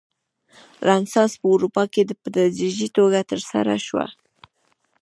رنسانس په اروپا کې په تدریجي توګه ترسره شو.